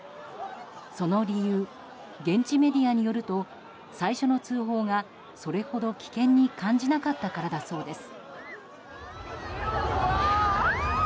その理由、現地メディアによると最初の通報がそれほど危険に感じなかったからだそうです。